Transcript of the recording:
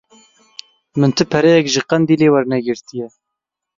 Min ti pereyek ji Qenddîlê wernegirtiye.